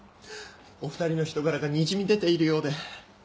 お二人の人柄がにじみ出ているようで